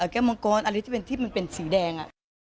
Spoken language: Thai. แก้มงกรอะไรที่มันเป็นสีแดง